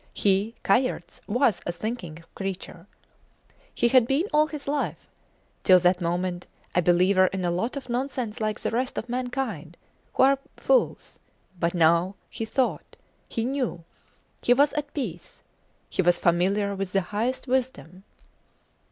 He, Kayerts, was a thinking creature. He had been all his life, till that moment, a believer in a lot of nonsense like the rest of mankind who are fools; but now he thought! He knew! He was at peace; he was familiar with the highest wisdom!